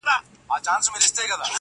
د داســي زيـري انـتــظـار كـومــه~